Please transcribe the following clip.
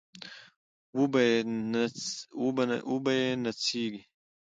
وبه يې نڅېږي